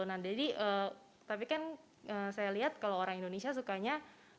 nah jadi tapi kan saya lihat kalau orang indonesia sukanya